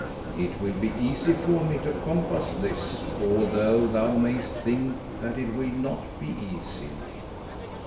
"It will be easy for me to compass this, although thou mayest think that it will not be easy."